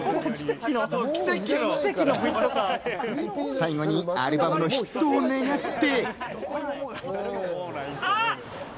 最後にアルバムのヒットを願って。